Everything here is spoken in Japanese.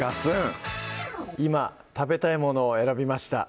今食べたいものを選びました